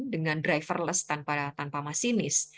dengan driverless tanpa masinis